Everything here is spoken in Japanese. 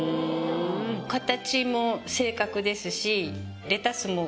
形も正確ですし採点は。